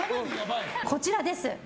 こちらです。